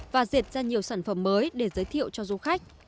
và dệt ra nhiều sản phẩm mới để giới thiệu cho du khách